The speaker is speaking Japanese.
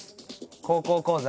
「高校講座」。